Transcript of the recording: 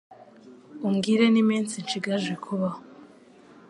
umbwire n’iminsi nshigaje kubaho